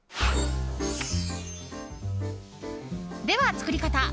では、作り方。